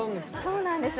そうなんです